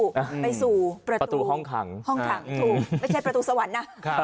ไปสู่ประตูห้องขังไม่ใช่ประตูสวรรค์นะ